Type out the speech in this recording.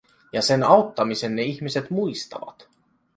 Ja sen auttamisen ne ihmiset muistavat.